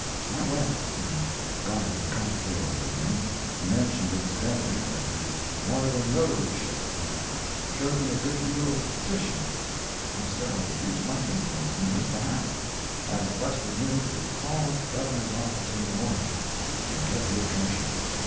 I went and gobbled a cocktail with him. He mentioned incidentally, that he wanted a notaryship, and showed me a good deal of his petition. I said I would use my influence in his behalf, and requested him to call at the Governor's office in the morning, and get his commission.